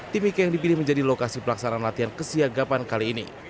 timika yang dipilih menjadi lokasi pelaksanaan latihan kesiagapan kali ini